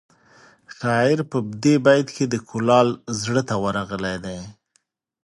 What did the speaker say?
شاعر په دې بیت کې د کلال زړه ته ورغلی دی